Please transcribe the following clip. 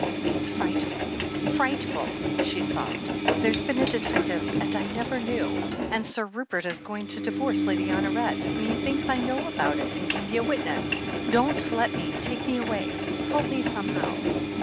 "It's frightful— frightful!'' she sobbed. "There's been a detective and I never knew, and Sir Rupert is going to divorce Lady Honoret, and he thinks I know about it and can be a witness. Don't let me — ^take me away — ^help me, somehow!"